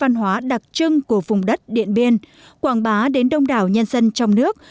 điện biên là nơi đặc trưng của vùng đất điện biên quảng bá đến đông đảo nhân dân trong nước